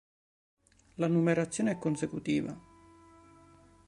La numerazione è consecutiva.